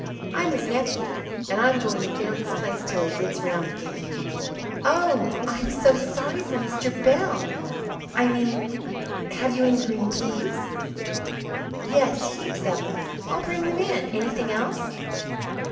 I'm his nephew, and I'm going to fill his place till he gets 'round again." "Oh, I'm so sorry for Mr. Bell, I mean. Have you any green peas?" "Yes, heaps of them. I'll bring them in. Anything else?"